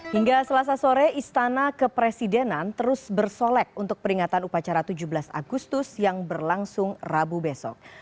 hingga selasa sore istana kepresidenan terus bersolek untuk peringatan upacara tujuh belas agustus yang berlangsung rabu besok